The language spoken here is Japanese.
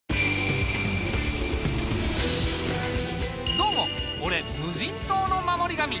どうも俺無人島の守り神。